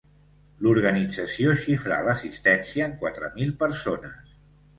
L'organització xifrà l'assistència en quatre mil persones.